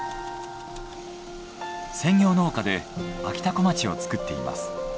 専業農家であきたこまちを作っています。